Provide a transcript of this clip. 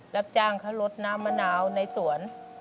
รับจ้างเขาลดน้ำมะนาวในสวน